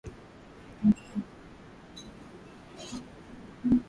ambapo maandamano makubwa yanafanyika hii leo